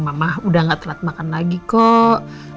mamah udah gak telat makan lagi kok